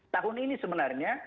tahun ini sebenarnya